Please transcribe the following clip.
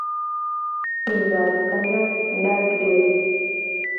منداڵەکانیان ناگریێنم.